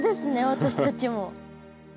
私たちも。